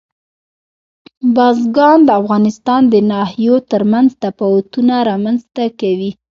بزګان د افغانستان د ناحیو ترمنځ تفاوتونه رامنځ ته کوي.